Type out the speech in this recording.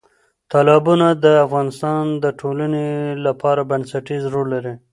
تالابونه د افغانستان د ټولنې لپاره بنسټيز رول لري.